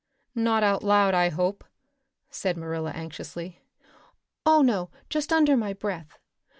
"Not out loud, I hope," said Marilla anxiously. "Oh, no, just under my breath.